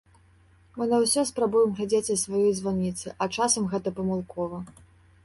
Мы на ўсё спрабуем глядзець са сваёй званіцы, а часам гэта памылкова.